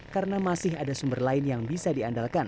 karena masih ada sumber lain yang bisa diandalkan